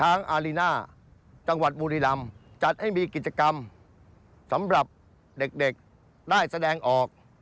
อารีน่าจังหวัดบุรีรำจัดให้มีกิจกรรมสำหรับเด็กเด็กได้แสดงออก